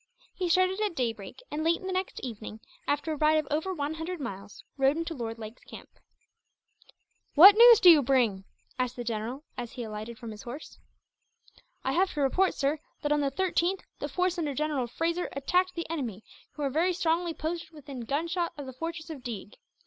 He started at daybreak and, late the next evening, after a ride of over one hundred miles, rode into Lord Lake's camp. "What news do you bring?" the general asked, as he alighted from his horse. "I have to report, sir, that on the 13th the force under General Fraser attacked the enemy, who were very strongly posted within gunshot of the fortress of Deeg.